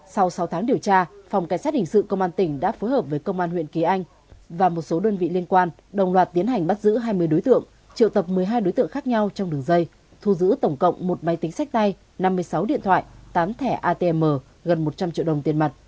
sau sáu tháng điều tra phòng cảnh sát hình sự công an tỉnh đã phối hợp với công an huyện kỳ anh và một số đơn vị liên quan đồng loạt tiến hành bắt giữ hai mươi đối tượng triệu tập một mươi hai đối tượng khác nhau trong đường dây thu giữ tổng cộng một máy tính sách tay năm mươi sáu điện thoại tám thẻ atm gần một trăm linh triệu đồng tiền mặt